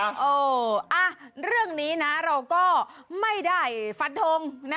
เออเรื่องนี้นะเราก็ไม่ได้ฟันทงนะ